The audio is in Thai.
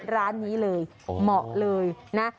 ร้านนี้เลยเหมาะเลยนะ